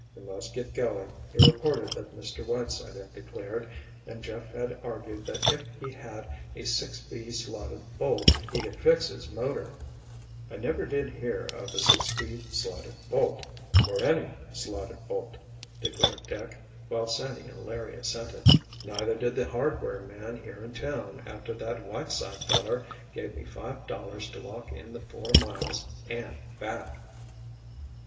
They must get going, he reported that Mr. Whiteside had declared, and Jeff had argued that if he had a six B slotted bolt, he could fix his motor. "I never did hear of a six B slotted bolt—or any slotted bolt," declared Dick, while Sandy and Larry assented. "Neither did the hardware man here in town after that Whiteside feller gave me five dollars to walk in the four miles and—back!"